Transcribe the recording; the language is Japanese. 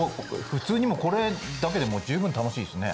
普通にこれだけでもう十分楽しいですね。